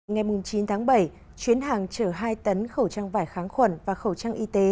ngày chín tháng bảy chuyến hàng chở hai tấn khẩu trang vải kháng khuẩn và khẩu trang y tế